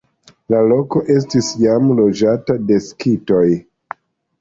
La loko estis jam loĝata de skitoj.